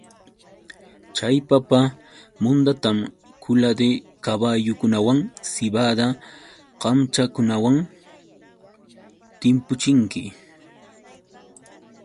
Chay papa mundatam kula de kaballukunawan sibada kamchakunawan timpuchinki.